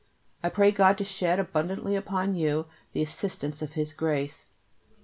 I pray God to shed abundantly upon you the assistance of His grace.